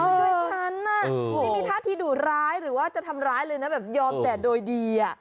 ช่วยฉันน่ะไม่มีท่าที่ดุร้ายหรือว่าจะทำร้ายเลยนะแบบยอมแต่โดยดี